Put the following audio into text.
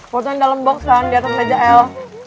potongan dalam box kan di atas meja el